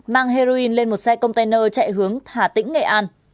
mang heroin lên một xe container chạy hướng hà tĩnh nghệ an